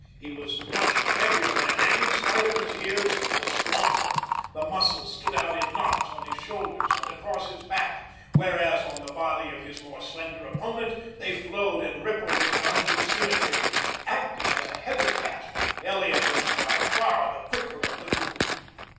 He was much the heavier man, and in spite of his years the stronger. The muscles stood out in knots on his shoulders and across his back, whereas on the body of his more slender opponent they flowed and rippled in rounded symmetry. Active as a heather cat, Elliot was far the quicker of the two.